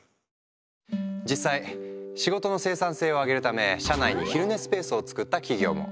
実際仕事の生産性を上げるため社内に昼寝スペースを作った企業も。